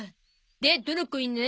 でどの子犬？